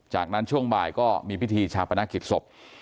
จากนั้นช่วงบ่ายก็มีพิธีชาปนกิจศพ